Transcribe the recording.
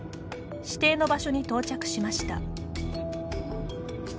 指定の場所に到着しました。